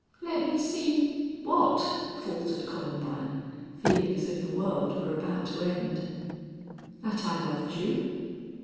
"Let me see what?" faltered Columbine, feeling as if the world were about to end. "That I loved you."